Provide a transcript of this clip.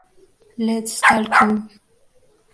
Let's Talking!